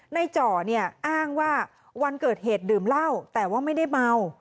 จ่อเนี่ยอ้างว่าวันเกิดเหตุดื่มเหล้าแต่ว่าไม่ได้เมา